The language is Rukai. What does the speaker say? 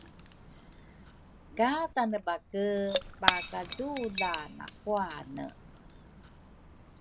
ka Tanebake pakadula nakuane.